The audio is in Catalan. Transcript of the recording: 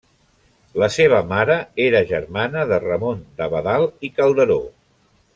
La seva mare era germana de Ramon d'Abadal i Calderó.